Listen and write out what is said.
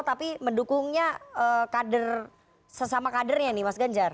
tapi mendukungnya kader sesama kadernya nih mas ganjar